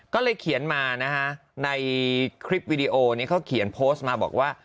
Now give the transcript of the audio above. ก็เลยเขียนมานะฮะในคลิปวิดีโอนี้เขาเขียนโพสต์มาบอกว่า